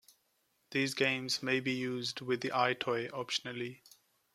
These games may be used with the EyeToy optionally.